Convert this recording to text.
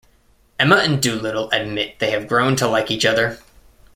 Emma and Dolittle admit they have grown to like each other.